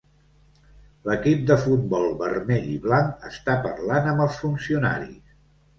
L'equip de futbol vermell i blanc està parlant amb els funcionaris.